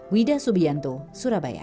widah subianto surabaya